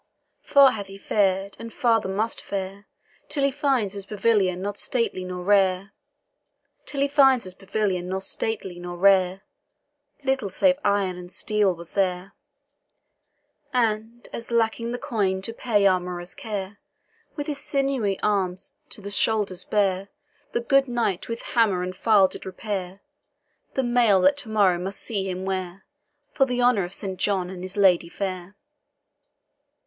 Far hath he far'd, and farther must fare, Till he finds his pavilion nor stately nor rare, Little save iron and steel was there; And, as lacking the coin to pay armourer's care, With his sinewy arms to the shoulders bare, The good knight with hammer and file did repair The mail that to morrow must see him wear, For the honour of Saint John and his lady fair.